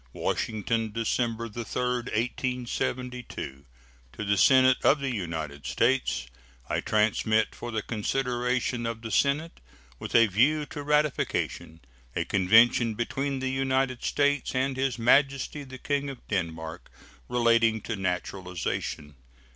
WASHINGTON, December 3, 1872. To the Senate of the United States: I transmit, for the consideration of the Senate with a view to ratification, a convention between the United States and His Majesty the King of Denmark, relating to naturalization.